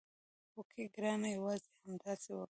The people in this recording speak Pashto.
هوکې ګرانه یوازې همداسې وکړه.